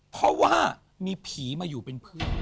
เพราะว่ามีผีมาอยู่เป็นเพื่อน